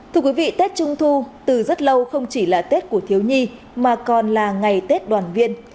thưa quý vị tết trung thu từ rất lâu không chỉ là tết của thiếu nhi mà còn là ngày tết đoàn viên